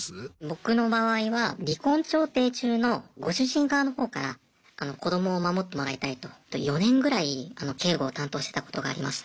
僕の場合は離婚調停中のご主人側のほうから子どもを守ってもらいたいと４年ぐらい警護を担当してたことがありました。